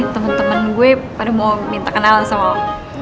temen temen gue pada mau minta kenalan sama lo